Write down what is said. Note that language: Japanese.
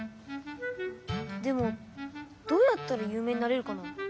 でもどうやったらゆう名になれるかな？